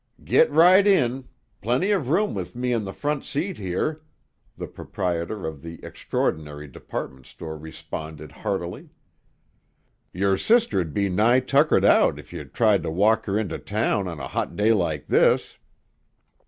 "Git right in; plenty of room with me on the front seat here," the proprietor of the extraordinary department store responded heartily. "Yer sister 'd be nigh tuckered out ef you tried ter walk her inter town on a hot day like this."